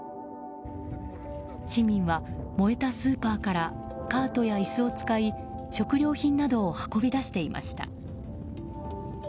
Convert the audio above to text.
市民は燃えたスーパーからカートや椅子を使い食料品などを運び出していました。